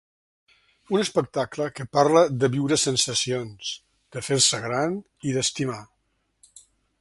Un espectacle que parla de viure sensacions, de fer-se gran i d’estimar.